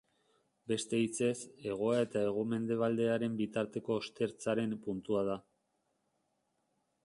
Beste hitzez, hegoa eta hego-mendebaldearen bitarteko ostertzaren puntua da.